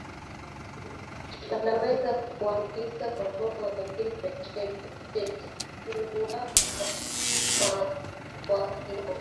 wanaweza kuwaambukiza kondoo wengine pekee tetekuwanga ya kondoo